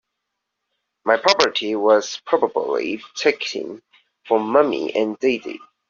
My puberty was probably taxing for mommy and daddy.